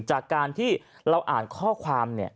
จากการที่กลับมาอ่านข้อความ